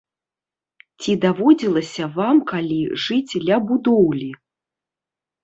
Ці даводзілася вам калі жыць ля будоўлі?